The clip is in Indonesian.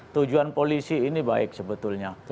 tujuan polisi ini baik sebetulnya